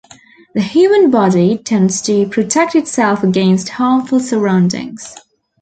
The human body tends to protect itself against harmful surroundings.